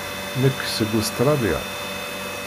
Nekk seg Ustṛalya.